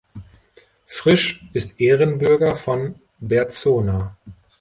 Frisch ist Ehrenbürger von Berzona.